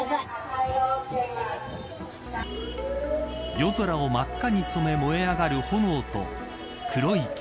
夜空を真っ赤に染め燃え上がる炎と黒い煙。